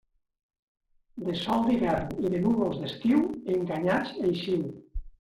De sol d'hivern i de núvols d'estiu, enganyats eixiu.